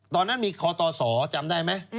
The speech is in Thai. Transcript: ตอนนั้นมีคอตสจำได้ไหม